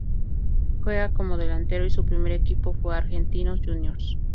Juega como delantero y su primer equipo fue Argentinos Juniors.